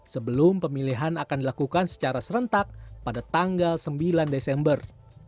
sebelum pemilihan akan dilakukan secara serentak pada tanggal sembilan desember